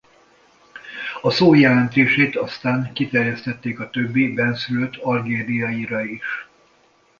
A szó jelentését aztán kiterjesztették a többi bennszülött algériaira is.